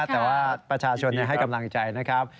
แต่ว่าประชาชนให้กำลังใจนะครับ